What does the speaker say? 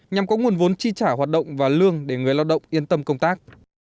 nhằm có nguồn vốn chi trả hoạt động và lương để người lao động yên tâm công tác